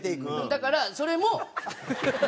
だからそれもねっ？